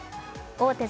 大手